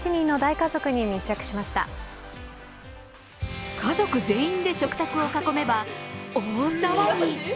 家族全員で食卓を囲めば大騒ぎ。